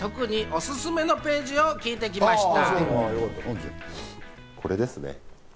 そんな春日さんに特におすすめのページを聞いてきました。